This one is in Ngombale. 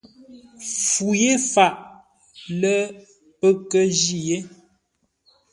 Fu yé faʼ, lə́ pə́ kə́ jí yé.